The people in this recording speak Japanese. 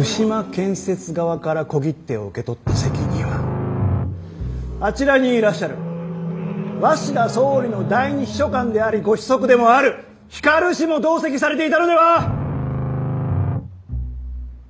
牛間建設側から小切手を受け取った責任はあちらにいらっしゃる鷲田総理の第二秘書官でありご子息でもある光氏も同席されていたのでは？